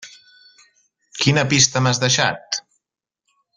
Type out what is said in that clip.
Quina pista m'has deixat?